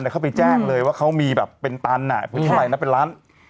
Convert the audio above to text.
เขาไปแจ้งเลยว่าเขามีแบบเป็นตันเท่าไหร่นะเป็นล้าน